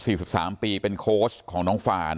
แล้วคุณแม่บอกลูก๓คนนะคะพี่ชายของน้องฟาในอายุ๑๘อยู่ม๖